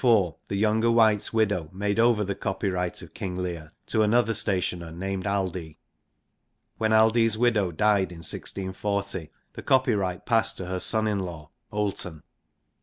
2 In 1624 the younger White's widow made over the copyright ot King Leir to another stationer named Aldee. When Aldee's widow died in 1640, the copyright passed to her son in law, Oulton.